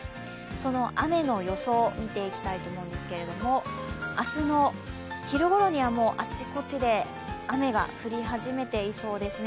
その雨の予想、見ていきたいと思うんですけれども明日の昼ごろにはあちこちで雨が降り始めていそうですね。